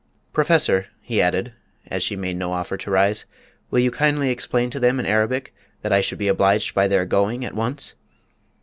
Professor," he added, as she made no offer to rise, "will you kindly explain to them in Arabic that I should be obliged by their going at once?"